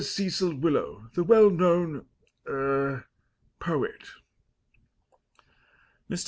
Cecil Willow, the well known er poet." Mr.